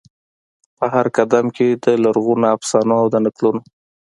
په هرقدم کې د لرغونو افسانو او د نکلونو،